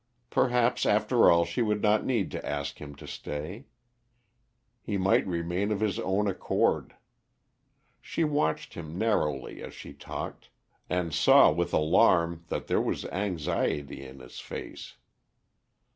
Perhaps after all she would not need to ask him to stay; he might remain of his own accord. She watched him narrowly as she talked, and saw with alarm that there was anxiety in his face.